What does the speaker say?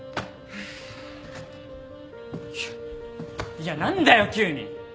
いや何だよ急に！